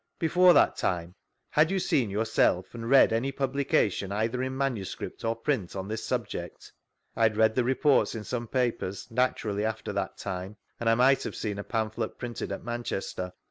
Before that time, had you seen yourself and read any publication, either in manuscript or print, on this subject?— I had read the reports in some papers, naturally, after that time, and I might have seen a pamplilet printed at Manchester.